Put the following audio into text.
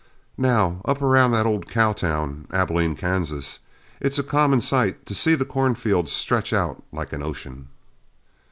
Now, up around that old cow town, Abilene, Kansas, it's a common sight to see the cornfields stretch out like an ocean.